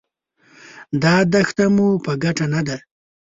دا دښته مو په ګټه نه ده.